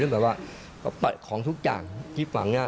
แล้วแบบว่าของทุกอย่างที่ฝั่งหน้า